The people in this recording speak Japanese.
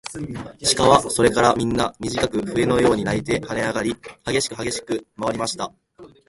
鹿はそれからみんな、みじかく笛のように鳴いてはねあがり、はげしくはげしくまわりました。